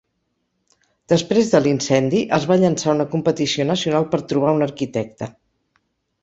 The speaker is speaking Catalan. Després de l'incendi, es va llançar una competició nacional per trobar un arquitecte.